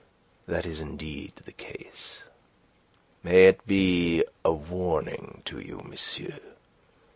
That is indeed the case. May it be a warning to you, monsieur.